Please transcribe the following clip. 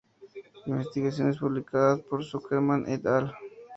Investigaciones publicadas por Zuckerman et al.